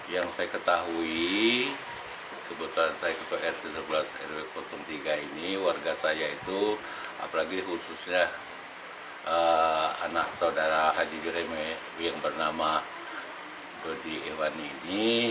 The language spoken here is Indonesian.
yang saya ketahui kebetulan saya ketua rt sebelas rw empat tiga ini warga saya itu apalagi khususnya anak saudara haji juremeh yang bernama dodi iwan ini